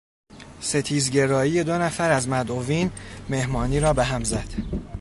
ستیزگرایی دو نفر از مدعوین مهمانی را به هم زد.